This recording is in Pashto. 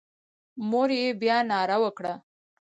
مور یې بیا ناره وکړه.